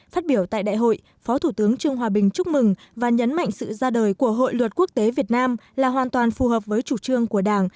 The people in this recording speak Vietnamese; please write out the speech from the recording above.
phát biểu tại đại hội phó thủ tướng trương hòa bình chúc mừng và nhấn mạnh sự ra đời của hội luật quốc tế việt nam là hoàn toàn phù hợp với chủ trương của đảng